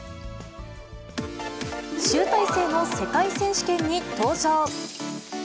集大成の世界選手権に登場。